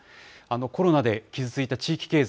コロナで傷ついた地域経済、